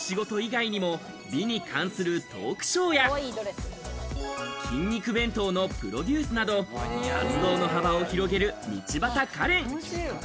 モデルの仕事以外にも美に関するトークショーや筋肉弁当のプロデュースなど活動の幅を広げる道端カレン。